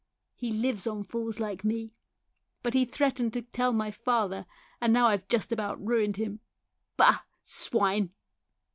" He lives on fools like me. But he threatened to tell my father, and now I've just about ruined him. Pah! Swine!"